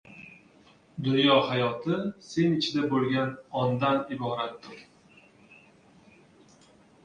— Dunyo hayoti — sen ichida bo‘lgan ondan iboratdir.